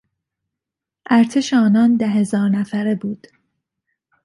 ارتش آنان ده هزار نفره بود.